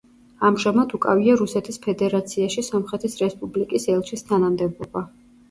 ამჟამად უკავია რუსეთის ფედერაციაში სომხეთის რესპუბლიკის ელჩის თანამდებობა.